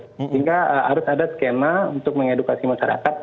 sehingga harus ada skema untuk mengedukasi masyarakat